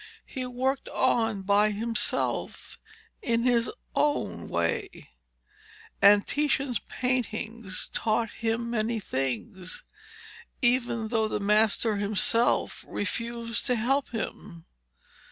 He worked on by himself in his own way, and Titian's paintings taught him many things even though the master himself refused to help him.